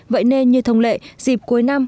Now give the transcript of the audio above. vậy nên như thông lệ dịp cuối năm